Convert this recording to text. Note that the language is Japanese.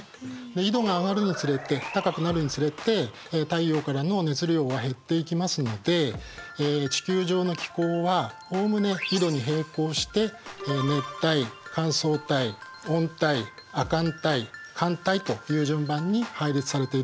緯度が上がるにつれて高くなるにつれて太陽からの熱量は減っていきますので地球上の気候はおおむね緯度に並行して熱帯乾燥帯温帯亜寒帯寒帯という順番に配列されているんです。